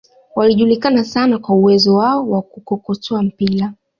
waliojulikana sana kwa uwezo wao wa kukokota mipira